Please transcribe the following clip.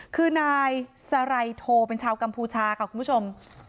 คือนายสไรโทเป็นชาวกัมพูชาค่ะคุณผู้ชม